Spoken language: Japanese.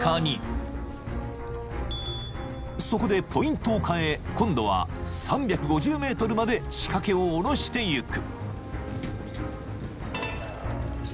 ［そこでポイントを変え今度は３５０ｍまで仕掛けを下ろしていく］